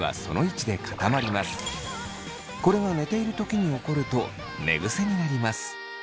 これが寝ている時に起こると寝ぐせになります。